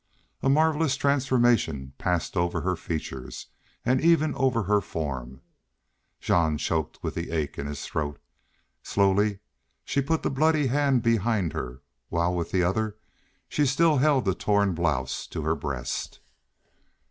A marvelous transformation passed over her features and even over her form. Jean choked with the ache in his throat. Slowly she put the bloody hand behind her while with the other she still held the torn blouse to her breast.